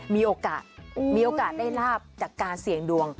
มีโอกาสได้ลาบจากการเสี่ยงดวง